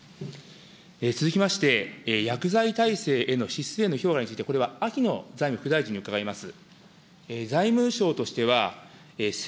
続きまして、薬剤耐性へのシステムへの評価について、これは秋野財務副大臣に伺います。